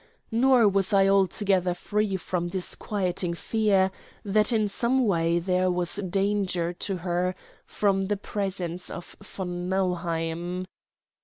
Nor was I altogether free from disquieting fears that in some way there was danger to her from the presence of von Nauheim.